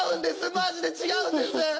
マジで違うんです！